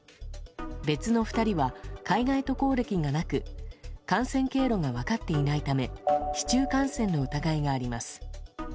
別の２人は海外渡航歴がなく感染経路が分かっていないため市中感染の疑いがあります。